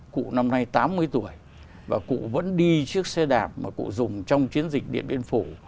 cụ năm nay tám mươi tuổi và cụ vẫn đi chiếc xe đạp mà cụ dùng trong chiến dịch điện biên phủ